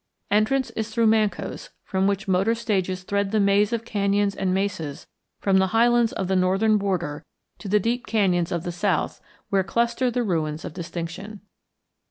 Entrance is through Mancos, from which motor stages thread the maze of canyons and mesas from the highlands of the northern border to the deep canyons of the south where cluster the ruins of distinction.